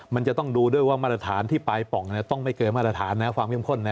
มันจะต้องดูด้วยว่ามาตรฐานที่ปลายป่องต้องไม่เกินมาตรฐานนะความเข้มข้นนะ